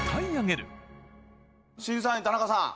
審査員田中さん